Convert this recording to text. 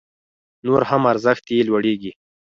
نور هم ارزښت يې لوړيږي